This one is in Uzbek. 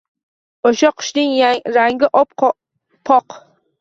O’sha qushning rangi op-poq…